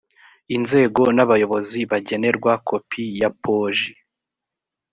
inzego n abayobozi bagenerwa kopi ya poji